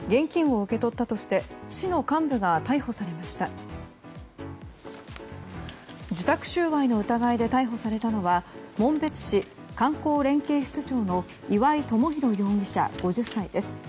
受託収賄の疑いで逮捕されたのは紋別市観光連携室長の岩井智広容疑者、５０歳です。